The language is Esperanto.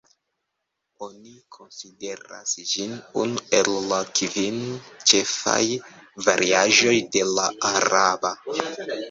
Oni konsideras ĝin unu el la kvin ĉefaj variaĵoj de la araba.